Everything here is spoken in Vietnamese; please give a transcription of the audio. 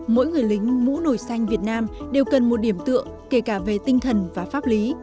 mỗi người lính mũ nổi xanh việt nam đều cần một điểm tượng kể cả về tinh thần và pháp lý